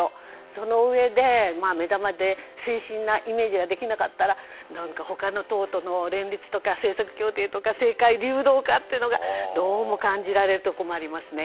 そのうえで、目玉で清新なイメージができなかったら何か他の党との連立とか政界流動化というのが、どうも感じられるところもありますね。